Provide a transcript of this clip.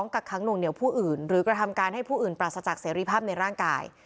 กักขังหน่วงเหนียวผู้อื่นหรือกระทำการให้ผู้อื่นปราศจากเสรีภาพในร่างกาย